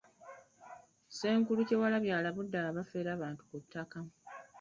Ssenkulu Kyewalabye alabudde abafera abantu ku ttaka.